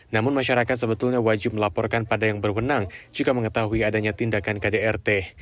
namun masyarakat sebetulnya wajib melaporkan pada yang berwenang jika mengetahui adanya tindakan kdrt